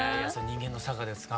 人間の性ですが。